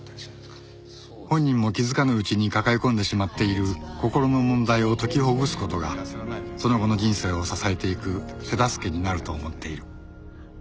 本人も気づかぬうちに抱え込んでしまっている心の問題を解きほぐす事がその後の人生を支えていく手助けになると思っている